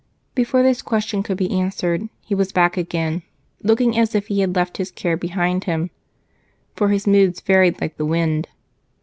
Before this question could be answered, he was back again, looking as if he had left his care behind him, for his moods varied like the wind.